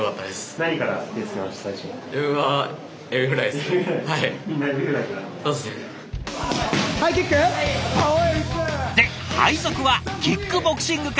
最初。で配属はキックボクシング課。